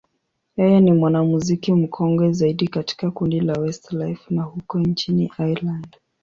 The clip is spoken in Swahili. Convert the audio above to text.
yeye ni mwanamuziki mkongwe zaidi katika kundi la Westlife la huko nchini Ireland.